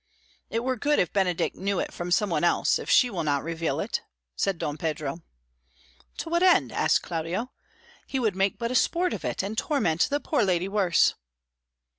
"It were good if Benedick knew it from someone else, if she will not reveal it," said Don Pedro. "To what end?" asked Claudio. "He would make but a sport of it, and torment the poor lady worse."